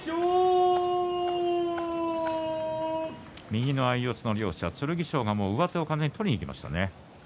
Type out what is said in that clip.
右の相四つの両者、剣翔が上手を取りにいきましたね。